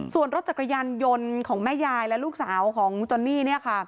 ส่วนรถจักรยานยนต์ของแม่ยายและลูกสาวของคุณจอนนี่ค่ะ